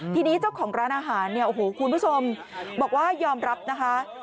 ทีนี้เจ้าของร้านอาหารคุณผู้ชมบอกว่ายอมรับนะคะ